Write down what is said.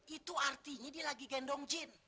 itu artinya dia lagi gendong jin